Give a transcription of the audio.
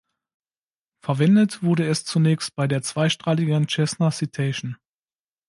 Verwendet wurde es zunächst bei der zweistrahligen Cessna Citation.